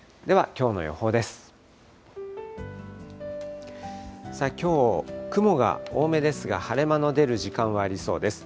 きょう、雲が多めですが、晴れ間の出る時間はありそうです。